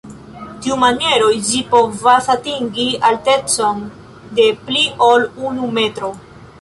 Tiumaniero ĝi povas atingi altecon de pli ol unu metro.